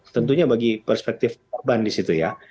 tentunya bagi perspektif korban di situ ya